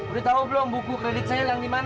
udah tau belum buku kredit saya yang di mana